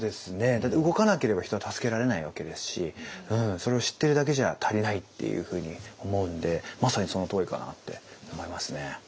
だって動かなければ人は助けられないわけですしそれを知ってるだけじゃ足りないっていうふうに思うんでまさにそのとおりかなって思いますね。